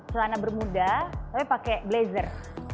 celana bermuda tapi pakai blazer